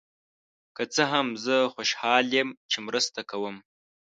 که څه هم، زه خوشحال یم چې مرسته کوم.